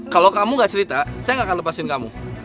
kalau kamu gak cerita saya nggak akan lepasin kamu